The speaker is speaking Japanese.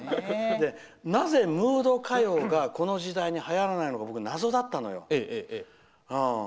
なぜムード歌謡がこの時代にはやらないのか僕、謎だったのよ。